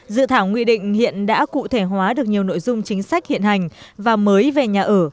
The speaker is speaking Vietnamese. dự thảo nghị định hiện đã cụ thể hóa được nhiều nội dung chính sách hiện hành và mới về nhà ở